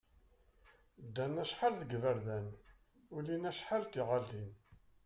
Ddan acḥal deg yiberdan, ulin acḥal d tiɣalin.